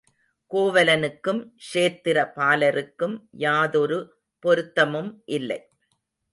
கோவலனுக்கும், க்ஷேத்திர பாலருக்கும் யாதொரு பொருத்தமும் இல்லை.